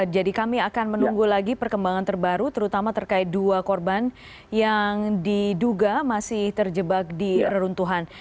jadi kami akan menunggu lagi perkembangan terbaru terutama terkait dua korban yang diduga masih terjebak di reruntuhan